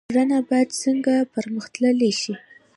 کرنه باید څنګه پرمختللې شي؟